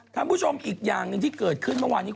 ท่านผู้ชมอีกอย่างหนึ่งที่เกิดขึ้นเมื่อวานนี้